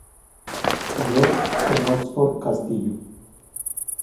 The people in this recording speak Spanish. George en Oxford Castillo.